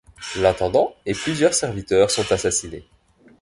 L'intendant et plusieurs serviteurs sont assassinés.